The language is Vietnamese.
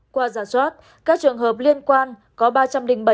qua giả soát các trường hợp liên quan có ba trăm linh bảy f một